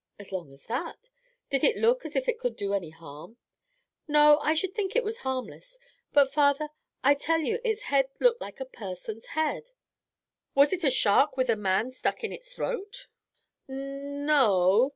"As long as that? Did it look as if it could do any harm?" "No; I should think it was harmless; but, father, I tell you its head looked like a person's head." "Was it a shark with a man stuck in its throat?" "N n no."